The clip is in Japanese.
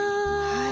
はい。